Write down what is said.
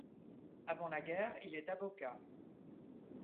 Avant la guerre, il est avocat.